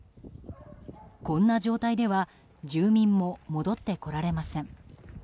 こんな状態では住民も戻って来られません。